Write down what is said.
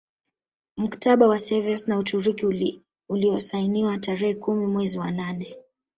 Mkataba wa Sevres na Uturuki uliozsainiwa tarehe kumi mwezi wa nane